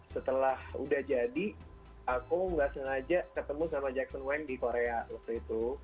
setelah udah jadi aku nggak sengaja ketemu sama jackson week di korea waktu itu